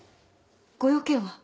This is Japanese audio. ご用件は？